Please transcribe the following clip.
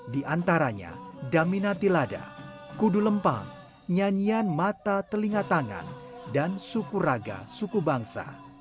di antaranya damina tilada kudu lempang nyanyian mata telinga tangan dan suku raga suku bangsa